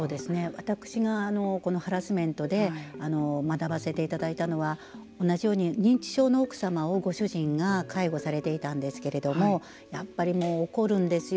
私がハラスメントで学ばせていただいたのは同じように認知症の奥様をご主人が介護されていたんですけれどもやっぱり怒るんですよ。